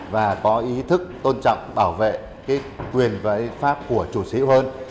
và có ý thức tôn trọng bảo vệ quyền và ý pháp của chủ sĩ hữu hơn